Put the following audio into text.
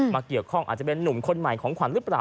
เกี่ยวข้องอาจจะเป็นนุ่มคนใหม่ของขวัญหรือเปล่า